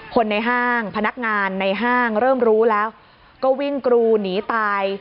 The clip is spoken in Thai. คนในห้างพนักงานในห้างเริ่มรู้แล้วก็วิ่งกรูหนีตาย